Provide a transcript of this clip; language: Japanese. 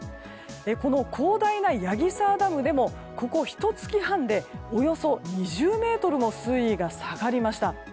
この広大な矢木沢ダムでもここひと月半でおよそ２０ｍの水位が下がりました。